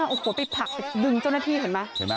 โอ้โหไปผลักไปดึงเจ้าหน้าที่เห็นไหม